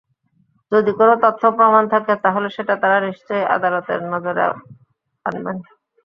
যদি কোনো তথ্য–প্রমাণ থাকে, তাহলে সেটা তাঁরা নিশ্চয়ই আদালতের নজরে আনবেন।